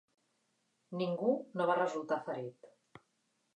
Ningú no va resultar ferit.